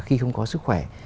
khi không có sức khỏe